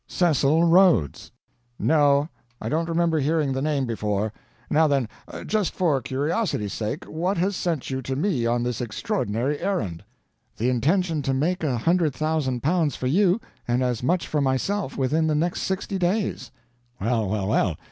"Cecil Rhodes." "No, I don't remember hearing the name before. Now then just for curiosity's sake what has sent you to me on this extraordinary errand?" "The intention to make a hundred thousand pounds for you and as much for myself within the next sixty days." "Well, well, well.